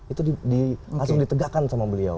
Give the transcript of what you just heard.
itu langsung ditegakkan sama beliau